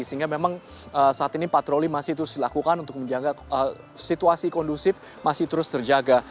sehingga memang saat ini patroli masih terus dilakukan untuk menjaga situasi kondusif masih terus terjaga